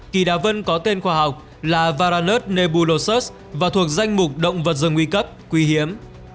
kỳ đà vân có tên khoa học là varanus nebulose và thuộc danh mục động vật rừng nguy cấp quý hiếm